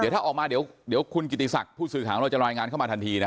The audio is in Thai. ถ้าออกมาเดี๋ยวคุณกิติศักดิ์ผู้สื่อข่าวของเราจะรายงานเข้ามาทันทีนะ